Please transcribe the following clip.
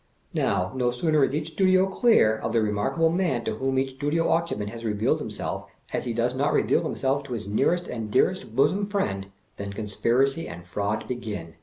Now, no sooner is each studio clear of the remarkable man to whom each studio occupant has revealed himself as he does not reveal himself to his nearest and dearest bosom friend, than conspiracy and fraud begin.